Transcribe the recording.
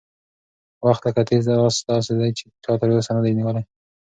وخت لکه تېز اس داسې دی چې چا تر اوسه نه دی نیولی.